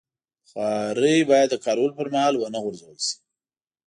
بخاري باید د کارولو پر مهال ونه غورځول شي.